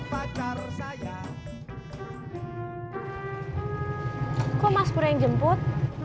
kok mas pur yang jemput